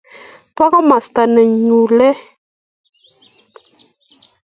bo komosta ne ngulei